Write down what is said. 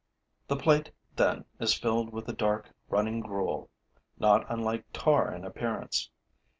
The plate, then, is filled with a dark, running gruel, not unlike tar in appearance.